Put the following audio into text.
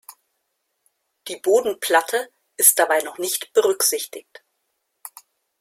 Die Bodenplatte ist dabei noch nicht berücksichtigt.